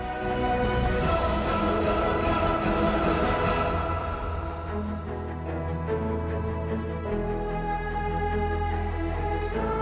โปรดติดตามตอนต่อไป